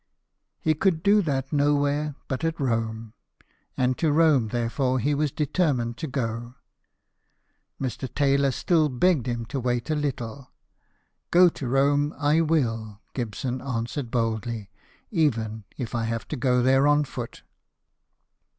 He could do that nowhere but at Rome, and to Rome therefore he was determined to go. Mr. Taylor still begged him to wait a little. " Go to Rome I will," Gibson answered boldly, " even if I have to go there on foot."